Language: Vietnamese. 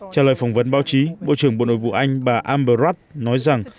trả lời phỏng vấn báo chí bộ trưởng bộ nội vụ anh bà amber rudd nói rằng